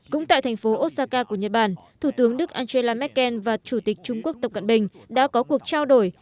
cũng tại thành phố osaka của nhật bản thủ tướng đức angela merkel và chủ tịch trung quốc tập cận bình đã có cuộc trao đổi